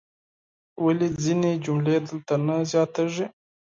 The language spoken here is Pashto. ولې ځینې جملې دلته نه زیاتیږي؟